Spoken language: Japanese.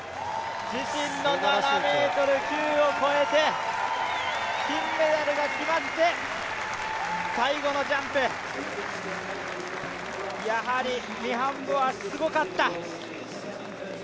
自身の７ｍ９を越えて、金メダルが決まって、最後のジャンプ、やはりミハンボはすごかった。